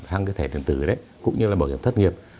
hàng thẻ điện tử cũng như bảo hiểm thất nghiệp